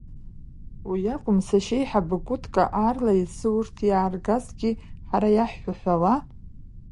Уи акәым, сашьеиҳабы Кәытка, аарла иацы урҭ иааргазгьы, ҳара иаҳҳәо ҳәауа…